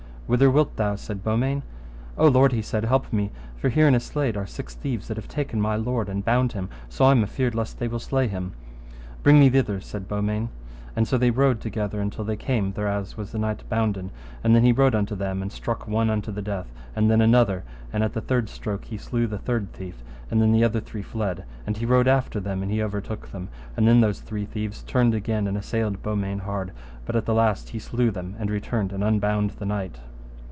Whither wilt thou? said Beaumains. O lord, he said, help me, for here by in a slade are six thieves that have taken my lord and bound him, so I am afeard lest they will slay him. Bring me thither, said Beaumains. And so they rode together until they came thereas was the knight bounden; and then he rode unto them, and struck one unto the death, and then another, and at the third stroke he slew the third thief, and then the other three fled. And he rode after them, and he overtook them; and then those three thieves turned again and assailed Beaumains hard, but at the last he slew them, and returned and unbound the knight.